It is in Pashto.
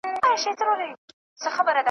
نه په شرم نه گناه به څوك پوهېږي .